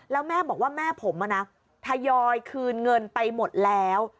แล้วแม่บอกว่าแม่ผมทยอยคืนเงินไปหมดแล้ว